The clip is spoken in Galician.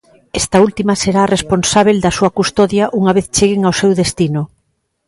Esta última será a responsábel da súa custodia unha vez cheguen ao seu destino.